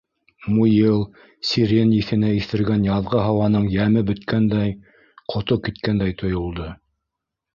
Муйыл, сирень еҫенә иҫергән яҙғы һауаның йәме бөткәндәй, ҡото киткәндәй тойолдо.